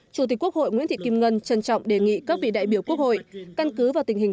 chủ tịch quốc hội nguyễn thị kim ngân trân trọng đề nghị các vị đại biểu quốc hội căn cứ vào tình hình